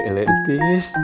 tidak ada tis